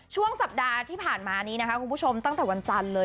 ช่วงสัปดาห์ที่ผ่านมานี้นะคะคุณผู้ชมตั้งแต่วันจันทร์เลย